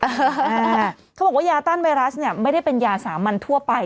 เขาบอกว่ายาต้านไวรัสเนี่ยไม่ได้เป็นยาสามัญทั่วไป